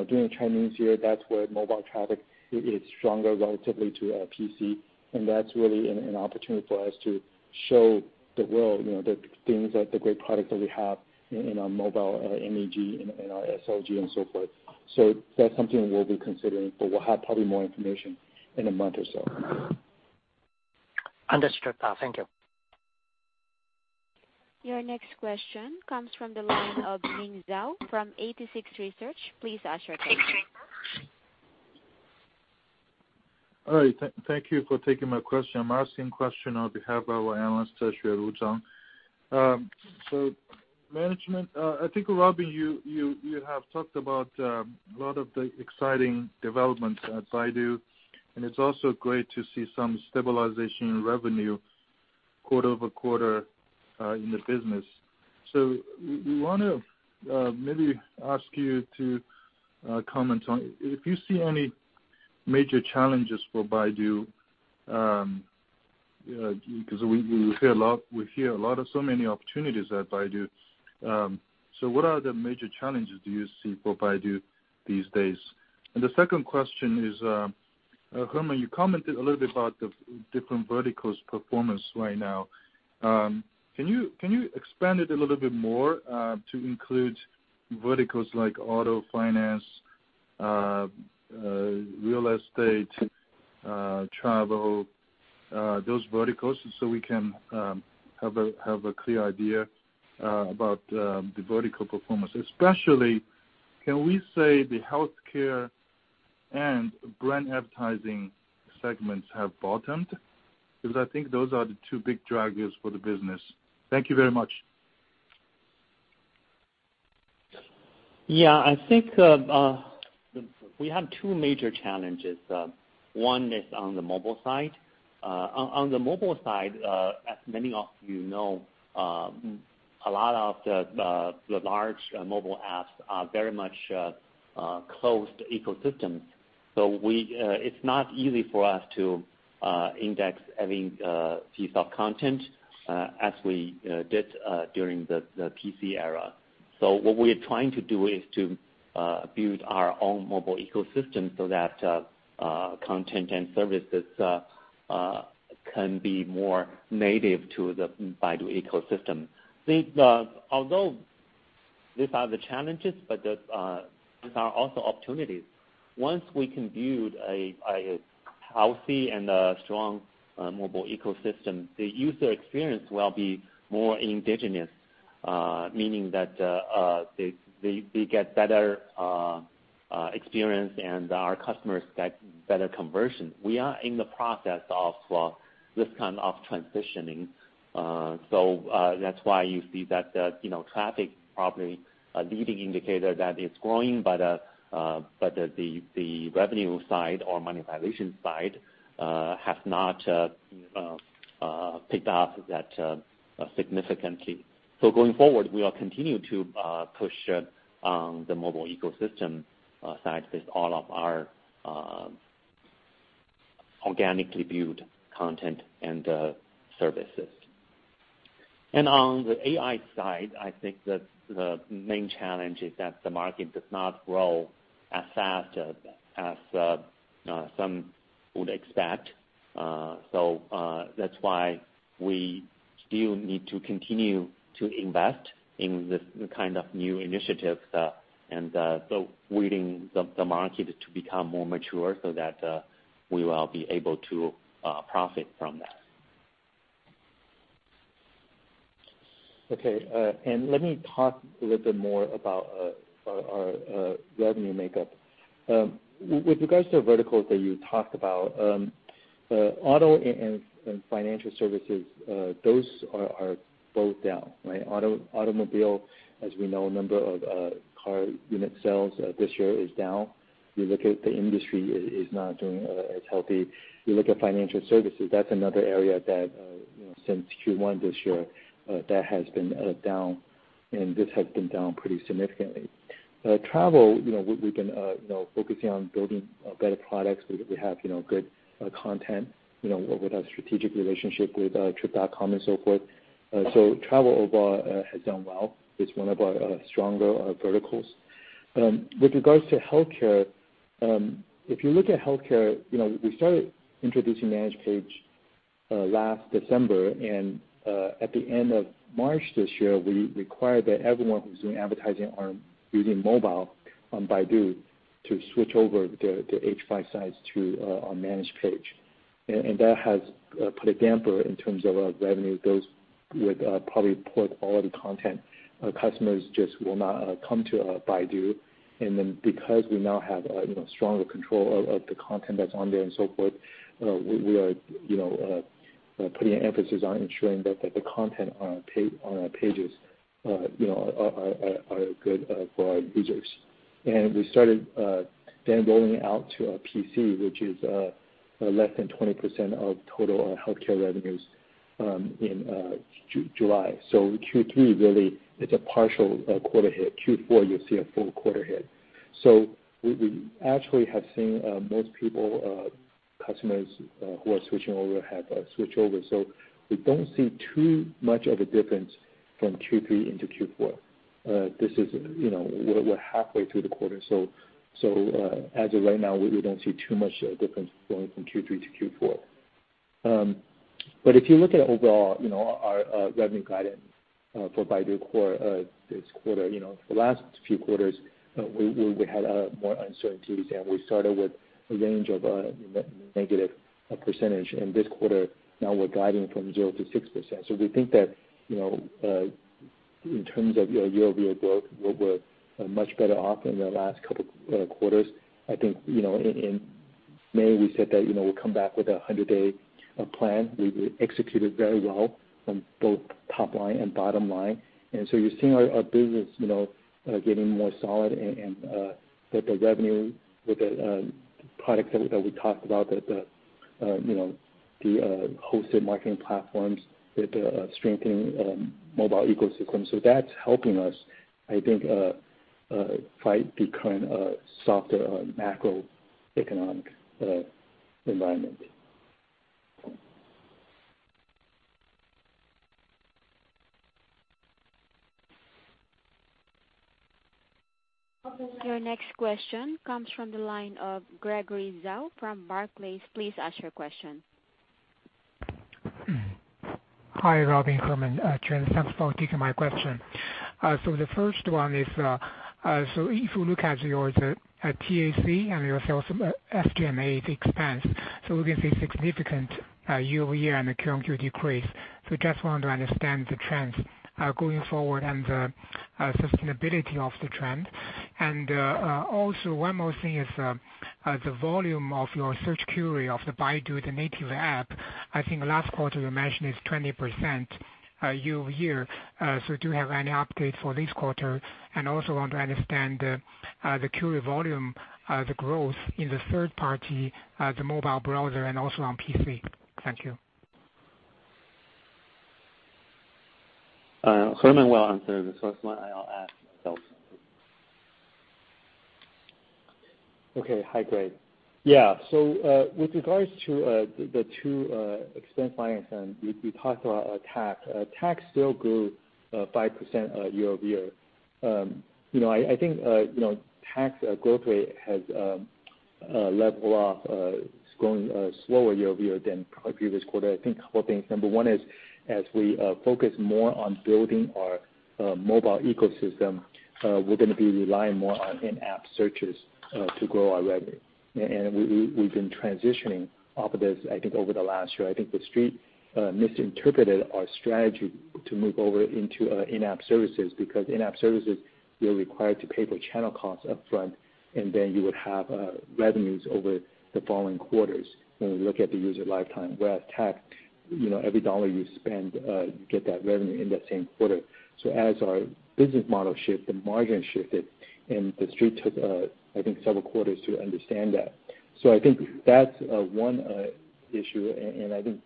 during Chinese New Year, that's where mobile traffic is stronger relatively to PC. That's really an opportunity for us to show the world the great products that we have in our mobile MEG, in our SLG and so forth. That's something we'll be considering, but we'll have probably more information in a month or so. Understood. Thank you. Your next question comes from the line of Ming Zhao from 86Research. Please ask your question. All right. Thank you for taking my question. I am asking question on behalf of our analyst, Kashua Wuzong. Management, I think, Robin, you have talked about a lot of the exciting developments at Baidu, and it is also great to see some stabilization in revenue quarter-over-quarter in the business. We want to maybe ask you to comment on if you see any major challenges for Baidu, because we hear a lot of so many opportunities at Baidu. What are the major challenges do you see for Baidu these days? The second question is, Herman, you commented a little bit about the different verticals performance right now. Can you expand it a little bit more, to include verticals like auto finance, real estate, travel, those verticals, so we can have a clear idea about the vertical performance? Especially, can we say the healthcare and brand advertising segments have bottomed? Because I think those are the two big draggers for the business. Thank you very much. I think we have two major challenges. One is on the mobile side. On the mobile side, as many of you know, a lot of the large mobile apps are very much a closed ecosystem. It's not easy for us to index any piece of content as we did during the PC era. What we're trying to do is to build our own mobile ecosystem so that content and services can be more native to the Baidu ecosystem. Although these are the challenges, but these are also opportunities. Once we can build a healthy and a strong mobile ecosystem, the user experience will be more indigenous, meaning that they get better experience and our customers get better conversion. We are in the process of this kind of transitioning. That's why you see that traffic is probably a leading indicator that is growing, but the revenue side or monetization side has not picked up that significantly. Going forward, we will continue to push on the mobile ecosystem side with all of our organically built content and services. On the AI side, I think that the main challenge is that the market does not grow as fast as some would expect. That's why we still need to continue to invest in this kind of new initiatives and so waiting the market to become more mature so that we will be able to profit from that. Okay. Let me talk a little bit more about our revenue makeup. With regards to verticals that you talked about, auto and financial services, those are both down, right? Automobile, as we know, number of car unit sales this year is down. You look at the industry is not doing as healthy. You look at financial services, that's another area that since Q1 this year, that has been down, and this has been down pretty significantly. Travel, we've been focusing on building better products. We have good content with our strategic relationship with Trip.com and so forth. Travel overall has done well. It's one of our stronger verticals. With regards to healthcare, if you look at healthcare, we started introducing Managed Page last December and at the end of March this year, we required that everyone who is doing advertising using mobile on Baidu to switch over their H5 sites to a Managed Page. That has put a damper in terms of revenue. Those with probably poor quality content, customers just will not come to Baidu. Because we now have stronger control of the content that's on there and so forth, we are putting an emphasis on ensuring that the content on our pages are good for our users. We started then rolling out to our PC, which is less than 20% of total healthcare revenues in July. Q3 really it's a partial quarter hit. Q4, you'll see a full quarter hit. We actually have seen most people, customers who are switching over, have switched over. We don't see too much of a difference from Q3 into Q4. We're halfway through the quarter, as of right now, we don't see too much difference going from Q3 to Q4. If you look at overall, our revenue guidance for Baidu this quarter. The last few quarters, we had more uncertainties, and we started with a range of a negative percentage. This quarter, now we're guiding from 0%-6%. We think that in terms of year-over-year growth, we're much better off than the last couple quarters. I think in May we said that we'll come back with a 100-day plan. We executed very well on both top line and bottom line. You're seeing our business getting more solid, and that the revenue with the products that we talked about, the hosted marketing platforms with the strengthening mobile ecosystem. That's helping us, I think, fight the current softer macroeconomic environment. Your next question comes from the line of Gregory Zhao from Barclays. Please ask your question. Hi, Robin, Herman, Shen. Thanks for taking my question. The first one is, so if you look at your TAC and your sales SG&A expense, so we can see significant year-over-year and a Q1Q decrease. I just want to understand the trends going forward and the sustainability of the trend. Also one more thing is the volume of your search query of the Baidu, the native app. I think last quarter you mentioned is 20% year-over-year. Do you have any updates for this quarter? Also want to understand the query volume, the growth in the third party, the mobile browser and also on PC. Thank you. Herman will answer the first one, I'll add myself. Hi, Greg. With regards to the two expense lines, and we talked about TAC. TAC still grew 5% year-over-year. TAC's growth rate has leveled off. It's growing slower year-over-year than probably previous quarter. A couple things. Number one is as we focus more on building our mobile ecosystem, we're going to be relying more on in-app searches to grow our revenue. We have been transitioning off of this, I think, over the last year. The Street misinterpreted our strategy to move over into in-app services, because in-app services, you're required to pay for channel costs upfront, and then you would have revenues over the following quarters when we look at the user lifetime. Whereas TAC, every RMB you spend, you get that revenue in that same quarter. As our business model shift, the margin shifted, and the Street took, I think, several quarters to understand that. I think that's one issue, and I think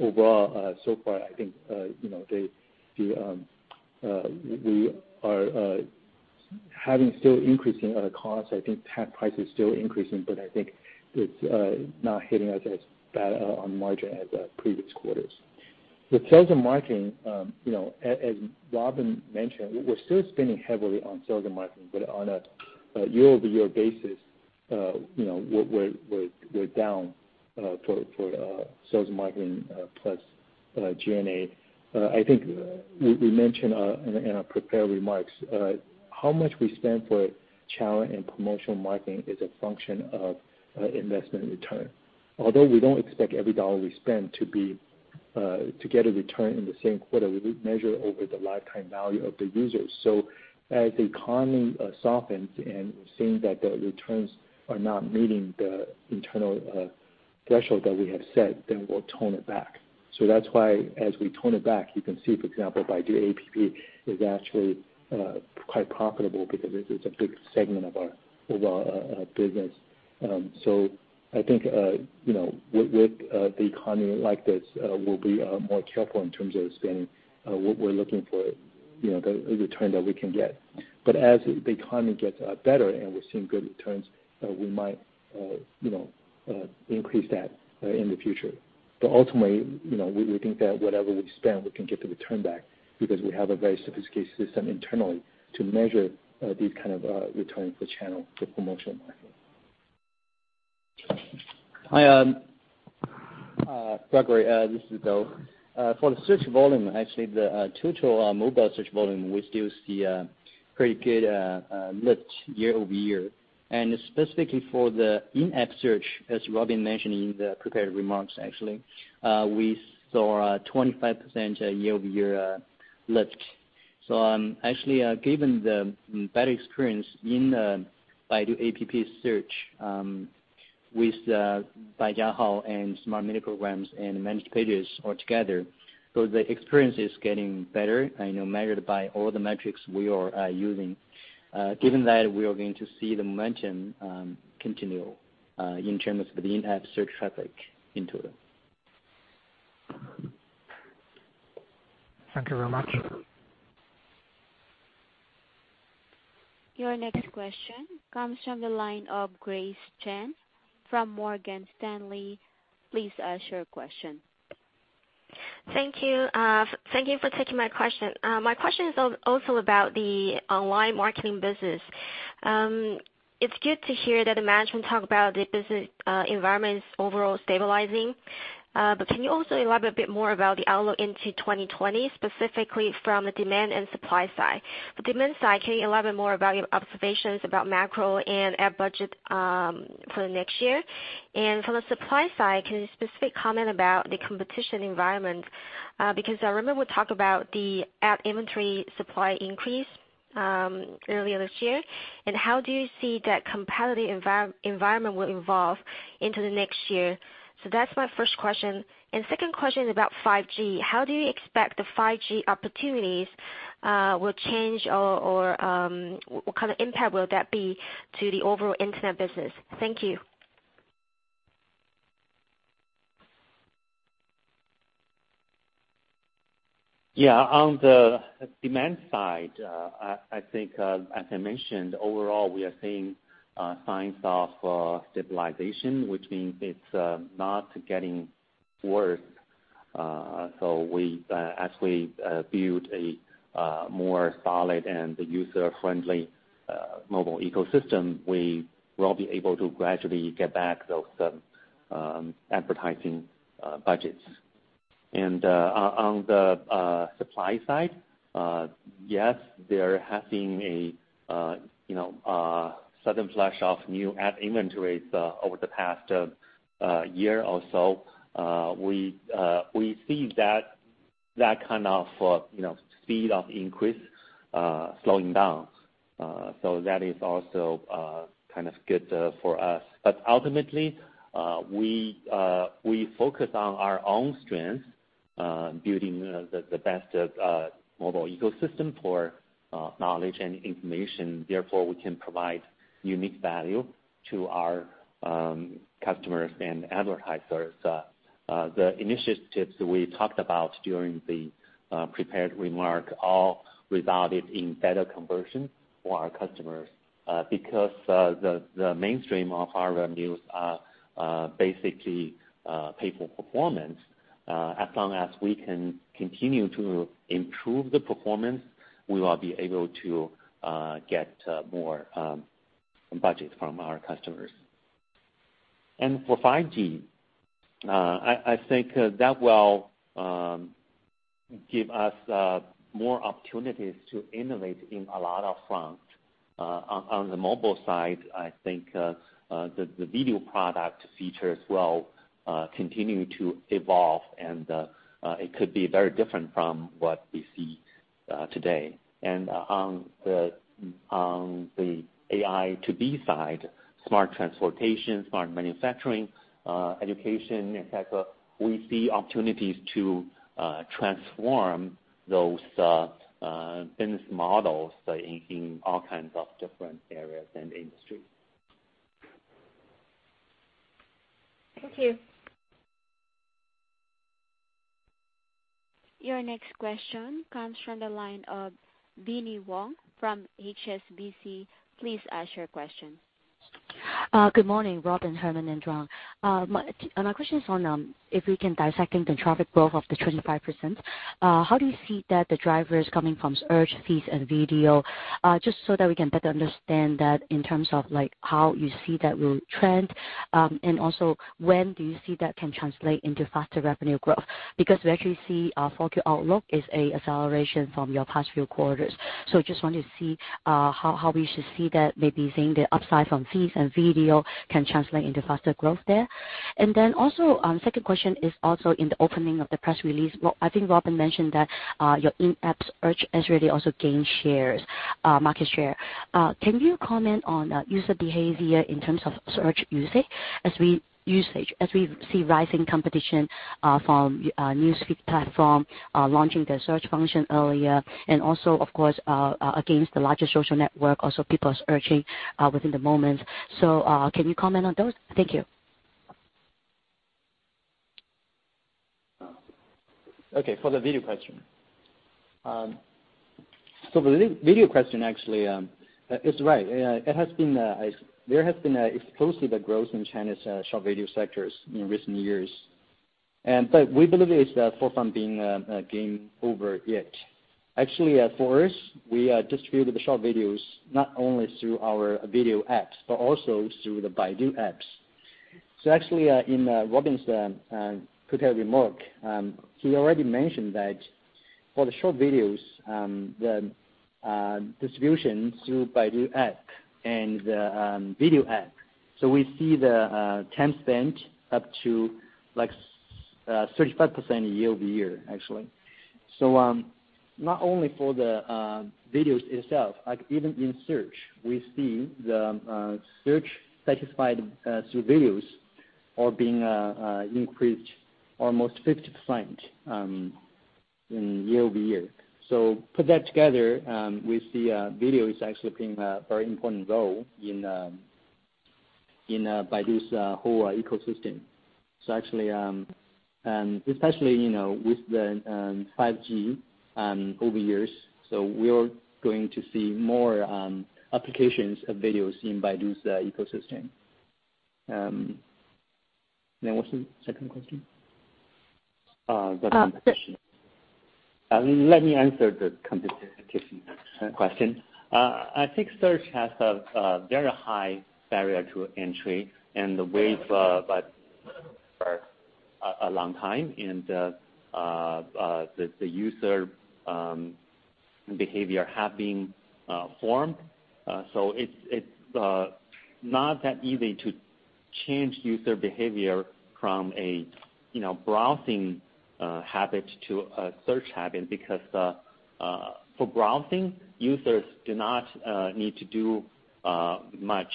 overall so far, I think we are having still increasing costs. I think TAC price is still increasing, but I think it's not hitting us as bad on margin as previous quarters. With sales and marketing, as Robin mentioned, we're still spending heavily on sales and marketing, but on a year-over-year basis we're down for sales marketing plus SG&A. I think we mentioned in our prepared remarks how much we spend for channel and promotional marketing is a function of investment return. Although we don't expect every dollar we spend to get a return in the same quarter, we measure over the lifetime value of the users. As the economy softens and we're seeing that the returns are not meeting the internal threshold that we have set, then we'll tone it back. That's why as we tone it back, you can see, for example, Baidu App is actually quite profitable because it's a big segment of our overall business. I think with the economy like this, we'll be more careful in terms of spending. We're looking for the return that we can get. As the economy gets better and we're seeing good returns, we might increase that in the future. Ultimately, we think that whatever we spend, we can get the return back because we have a very sophisticated system internally to measure these kind of return for channel, for promotional marketing. Hi, Gregory. This is Li. For the search volume, actually the total mobile search volume, we still see a pretty good lift year-over-year. Specifically for the in-app search, as Robin mentioned in the prepared remarks actually, we saw a 25% year-over-year lift. Actually, given the better experience in the Baidu App search with Baijiahao and Smart Mini Program and Managed Page all together, the experience is getting better, I know, measured by all the metrics we are using. Given that, we are going to see the momentum continue in terms of the in-app search traffic in total. Thank you very much. Your next question comes from the line of Grace Chen from Morgan Stanley. Please ask your question. Thank you. Thank you for taking my question. My question is also about the online marketing business. It's good to hear that the management talk about the business environment's overall stabilizing. Can you also elaborate a bit more about the outlook into 2020, specifically from the demand and supply side? For demand side, can you elaborate more about your observations about macro and ad budget for the next year? From the supply side, can you specific comment about the competition environment? Because I remember we talked about the ad inventory supply increase, earlier this year, and how do you see that competitive environment will evolve into the next year? That's my first question. Second question is about 5G. How do you expect the 5G opportunities will change or what kind of impact will that be to the overall Internet business? Thank you. Yeah. On the demand side, I think, as I mentioned, overall, we are seeing signs of stabilization, which means it's not getting worse. We, as we build a more solid and user-friendly mobile ecosystem, we will be able to gradually get back those advertising budgets. On the supply side, yes, there has been a sudden flush of new ad inventories over the past year or so. We see that kind of speed of increase slowing down. That is also kind of good for us. Ultimately, we focus on our own strengths, building the best mobile ecosystem for knowledge and information, therefore, we can provide unique value to our customers and advertisers. The initiatives we talked about during the prepared remark all resulted in better conversion for our customers. Because the mainstream of our revenues are basically pay for performance. As long as we can continue to improve the performance, we will be able to get more budgets from our customers. For 5G, I think that will give us more opportunities to innovate in a lot of fronts. On the mobile side, I think the video product features will continue to evolve and it could be very different from what we see today. On the AI2B side, smart transportation, smart manufacturing, education, in fact, we see opportunities to transform those business models in all kinds of different areas and industries. Thank you. Your next question comes from the line of Binnie Wong from HSBC. Please ask your question. Good morning, Robin, Herman, and Don. My question is on if we can dissect the traffic growth of the 25%. How do you see that the drivers coming from search fees and video? Just so that we can better understand that in terms of how you see that will trend. Also, when do you see that can translate into faster revenue growth? Because we actually see our fourth year outlook is an acceleration from your past few quarters. I just wanted to see how we should see that maybe seeing the upside from fees and video can translate into faster growth there. Then also, second question is also in the opening of the press release. I think Robin mentioned that your in-app search has really also gained market share. Can you comment on user behavior in terms of search usage as we see rising competition from newsfeed platform launching their search function earlier, and also, of course, against the larger social network, also people are searching within the moment. Can you comment on those? Thank you. Okay, for the video question. For the video question, actually, it's right. There has been explosive growth in China's short video sectors in recent years. We believe it is far from being game over yet. Actually, for us, we distribute the short videos not only through our video apps, but also through the Baidu apps. Actually, in Robin's prepared remark, he already mentioned that for the short videos, the distribution through Baidu App and video app. We see the time spent up to 35% year-over-year, actually. Not only for the videos itself, even in search, we see the search satisfied through videos are being increased almost 50% in year-over-year. Put that together, we see video is actually playing a very important role in Baidu's whole ecosystem. Actually, especially, with the 5G over years, we are going to see more applications of videos in Baidu's ecosystem. What is the second question? The competition. Let me answer the competition question. I think search has a very high barrier to entry and the way for a long time, and the user behavior have been formed. It's not that easy to change user behavior from a browsing habit to a search habit because for browsing, users do not need to do much.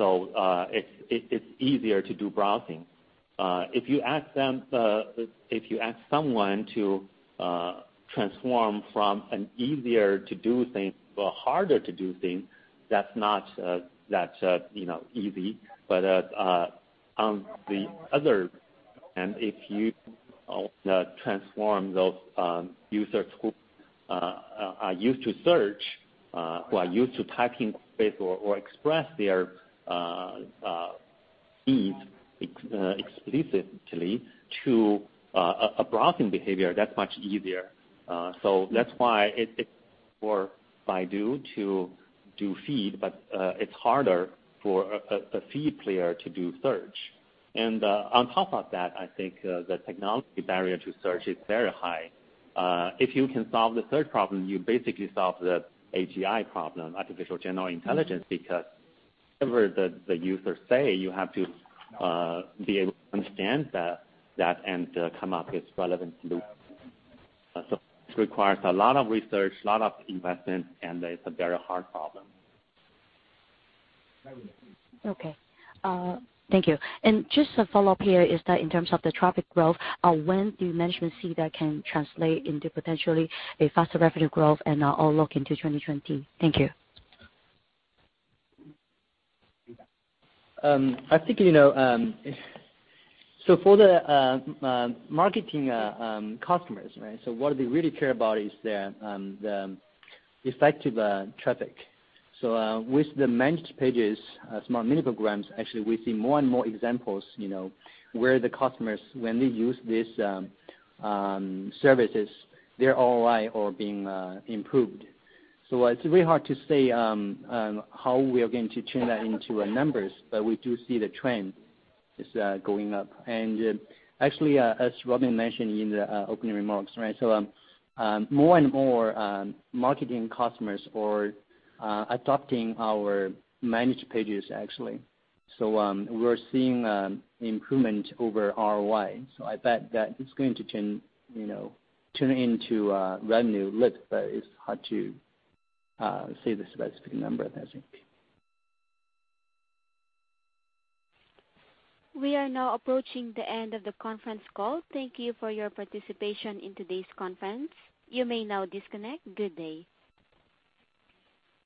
It's easier to do browsing. If you ask someone to transform from an easier to do thing to a harder to do thing, that's not that easy. On the other hand, if you transform those users who are used to search, who are used to typing or express their needs explicitly to a browsing behavior, that's much easier. That's why it's hard for Baidu to do feed, but it's harder for a feed player to do search. On top of that, I think the technology barrier to search is very high. If you can solve the search problem, you basically solve the AGI problem, artificial general intelligence, because whatever the users say, you have to be able to understand that and come up with relevant loops. It requires a lot of research, a lot of investment, and it's a very hard problem. Okay. Thank you. Just a follow-up here is that in terms of the traffic growth, when do you mention see that can translate into potentially a faster revenue growth and outlook into 2020? Thank you. For the marketing customers, what they really care about is the effective traffic. With the Managed Page, Smart Mini Program, actually, we see more and more examples, where the customers, when they use these services, their ROI are being improved. It's very hard to say how we are going to turn that into numbers, but we do see the trend is going up. Actually, as Robin mentioned in the opening remarks. More and more marketing customers are adopting our Managed Page, actually. We're seeing improvement over ROI. I bet that it's going to turn into a revenue lift, but it's hard to say the specific number. We are now approaching the end of the conference call. Thank you for your participation in today's conference. You may now disconnect. Good day.